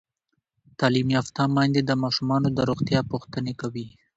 تعلیم یافته میندې د ماشومانو د روغتیا پوښتنې کوي.